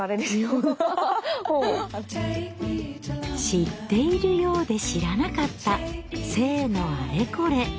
知っているようで知らなかった性のあれこれ。